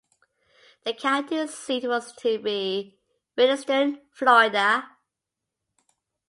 The County seat was to be Williston, Florida.